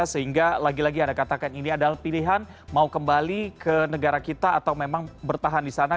sehingga lagi lagi anda katakan ini adalah pilihan mau kembali ke negara kita atau memang bertahan di sana